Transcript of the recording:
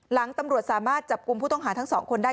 หลังตำรวจสามารถจับกลุ่มผู้ต้องหาทั้งสองคนได้